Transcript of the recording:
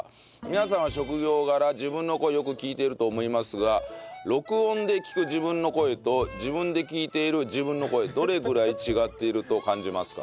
皆さんは職業柄自分の声をよく聞いていると思いますが録音で聞く自分の声と自分で聞いている自分の声どれぐらい違っていると感じますか？